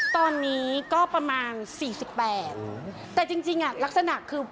ตอนนี้ก็ประมาณ๔๘แต่จริงลักษณะคือ